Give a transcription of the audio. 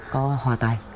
có hòa tay